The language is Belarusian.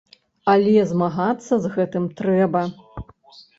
Але змагацца з гэтым трэба.